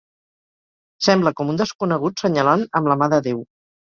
Sembla com un desconegut senyalant amb la mà de Déu.